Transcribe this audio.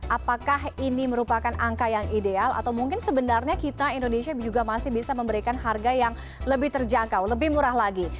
apakah ini merupakan angka yang ideal atau mungkin sebenarnya kita indonesia juga masih bisa memberikan harga yang lebih terjangkau lebih murah lagi